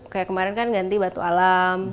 kayak kemarin kan ganti batu alam